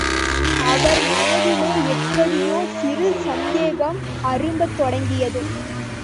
அவர் மனதிலே எப்படியோ சிறு சந்தேகம் அரும்பத் தொடங்கியது.